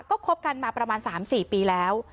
ก็คบกันมาประมาณ๓๔ปีแล้ว